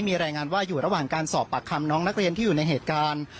มีรายงานว่าอยู่ระหว่างการสอบปากคำน้องนักเรียนที่อยู่ในเหตุการณ์